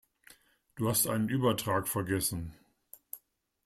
Da hast du einen Übertrag vergessen.